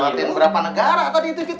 nanti berapa negara tadi itu kita